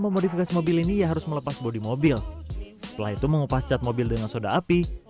memodifikasi mobil ini ia harus melepas bodi mobil setelah itu mengupas cat mobil dengan soda api